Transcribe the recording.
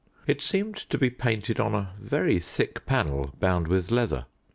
It seemed to be painted on a very thick panel bound with leather.